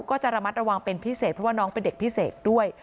ก็จะระมัดระวังเป็นพิเศษเพราะว่าน้องเป็นเด็กพิเศษด้วย